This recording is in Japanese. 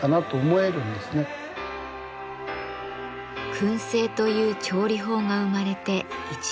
燻製という調理法が生まれて１万年以上。